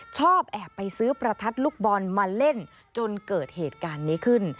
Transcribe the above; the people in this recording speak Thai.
ชอบแอบไปซื้อประทัดลูกบอลมาเล่นจนเกิดเหตุการณ์นี้ขึ้น